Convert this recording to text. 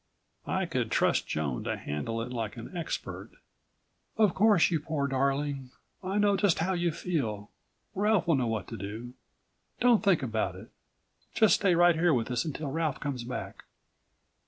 I could trust Joan to handle it like an expert. "Of course, you poor darling. I know just how you feel. Ralph will know what to do. Don't think about it. Just stay right here with us until Ralph comes back."